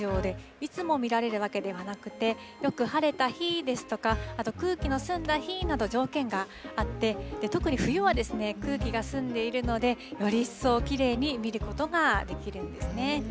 いつも見られるわけではなくて、よく晴れた日ですとか、あと空気の澄んだ日など、条件があって、特に冬は空気が澄んでいるので、より一層、きれいに見ることができるんですね。